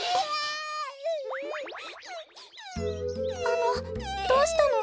あのどうしたの？